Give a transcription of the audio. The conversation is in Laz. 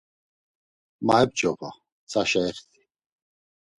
Mo ep̌ç̌opa, ntsaşa exti.